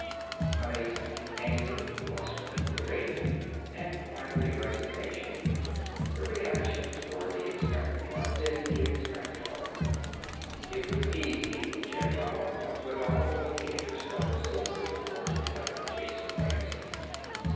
Amazement, anger, bluster, debate, and finally resignation the reactions were the expected ones, in the expected order. It was easy, Chind Ramar thought, with all but the interstellar soldiers of fortune like Jason Ramsey.